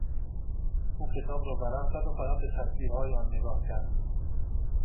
او کتاب را ورق زد و فقط به تصویرهای آن نگاه کرد.